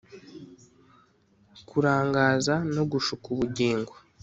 Kurangaza no gushuka ubugingo